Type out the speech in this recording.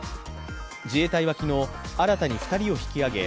自衛隊は昨日、新たに２人を引き揚げ